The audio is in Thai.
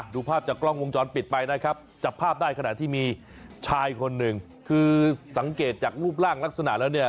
ดูภาพจากกล้องวงจรปิดไปนะครับจับภาพได้ขณะที่มีชายคนหนึ่งคือสังเกตจากรูปร่างลักษณะแล้วเนี่ย